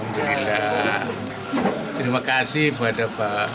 yang memiliki kemampuan yang sangat baik